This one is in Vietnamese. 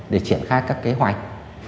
để triển khai các kế hoạch